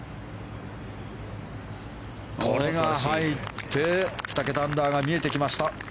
これが入って２桁アンダーが見えてきました。